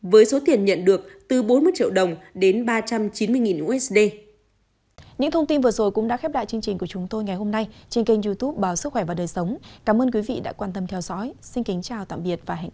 với số tiền nhận được từ bốn mươi triệu đồng đến ba trăm chín mươi usd